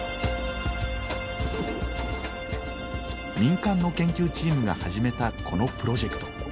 民間の研究チームが始めたこのプロジェクト。